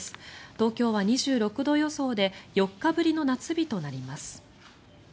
東京は２６度予想で４日ぶりの夏日となります。